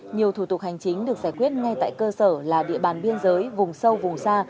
nhiều thủ tục hành chính được giải quyết ngay tại cơ sở là địa bàn biên giới vùng sâu vùng xa